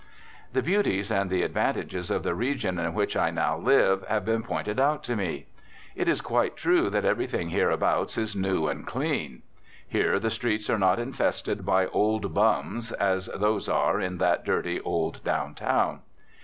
The beauties and the advantages of the region in which I now live have been pointed out to me. It is quite true that everything hereabout is new and "clean." Here the streets are not infested by "old bums" as those are in that dirty old downtown.